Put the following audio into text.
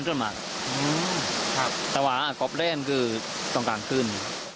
ศาวะสับกล้อแค่ในสถานที่กล้างขึ้น